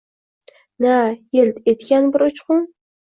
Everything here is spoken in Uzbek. Na yilt etgan bir uchqun.